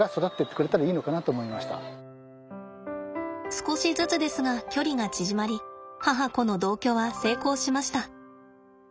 少しずつですが距離が縮まり母子の同居は成功しました。